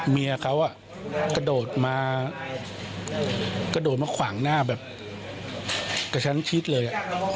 เมียเขากระโดดมากระโดดมาขวางหน้าแบบกระชั้นชิดเลย